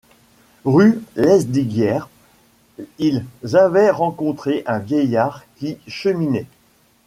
Rue Lesdiguières ils avaient rencontré un vieillard qui cheminait.